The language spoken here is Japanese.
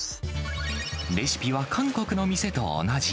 レシピは韓国の店と同じ。